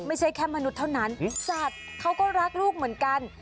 ไม่ใช่แค่มนุษย์เท่านั้นสัตว์เขาก็รักลูกเหมือนกัน